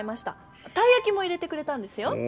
たいやきも入れてくれたんですよ。